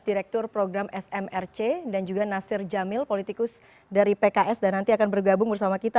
direktur program smrc dan juga nasir jamil politikus dari pks dan nanti akan bergabung bersama kita